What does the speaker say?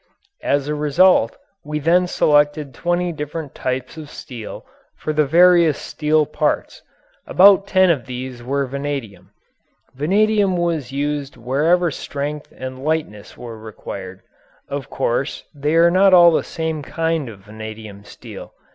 As a result we then selected twenty different types of steel for the various steel parts. About ten of these were vanadium. Vanadium was used wherever strength and lightness were required. Of course they are not all the same kind of vanadium steel.